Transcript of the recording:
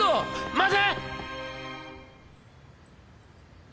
待て！